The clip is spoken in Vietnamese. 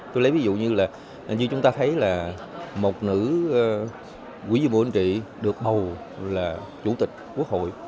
tôi lấy ví dụ như là như chúng ta thấy là một nữ quỹ viên bộ chính trị được bầu là chủ tịch quốc hội